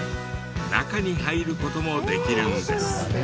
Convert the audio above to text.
中に入る事もできるんです。